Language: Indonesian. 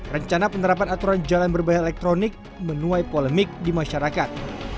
rencana penerapan aturan jalan berbahaya elektronik menuai polemik di masyarakat